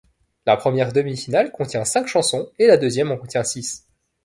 La première demi-finale contient cinq chansons et la deuxième en contient six.